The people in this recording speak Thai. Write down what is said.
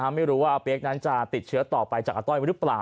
ไม่รู้ว่าอาเปี๊กนั้นจะติดเชื้อต่อไปจากอาต้อยหรือเปล่า